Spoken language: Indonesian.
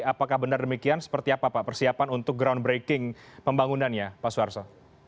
apakah benar demikian seperti apa pak persiapan untuk ground breaking pembangunannya pak swarso